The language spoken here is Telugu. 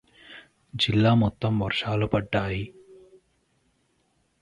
జిల్లా మొత్తం వర్షాలు పడ్డాయి.